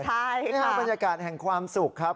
ใช่ค่ะบรรยากาศแห่งความสุขครับ